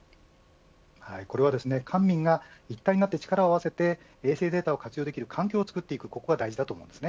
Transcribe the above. これは官民が一体となって力を合わせて衛星データを活用できる環境を作っていくことが大事です。